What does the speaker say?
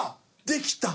できた？